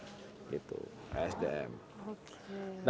nah kalau sumbernya gimana